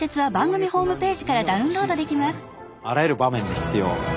あらゆる場面で必要。